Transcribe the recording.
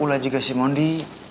ulah juga si mondi